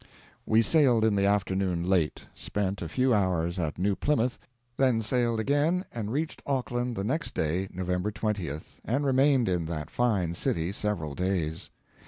We sailed in the afternoon late, spent a few hours at New Plymouth, then sailed again and reached Auckland the next day, November 20th, and remained in that fine city several days.